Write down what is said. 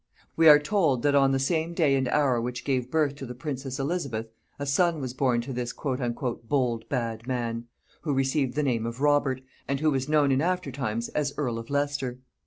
We are told, that on the same day and hour which gave birth to the princess Elizabeth, a son was born to this "bold bad man," who received the name of Robert, and was known in after times as earl of Leicester.